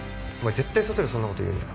絶対外でそんなこと言うなよ